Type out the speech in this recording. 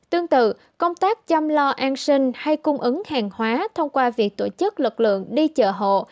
tương tự công tác chăm lo an sinh hay cung ứng hàng hóa thông qua việc tổ chức lực lượng đi chợ hộ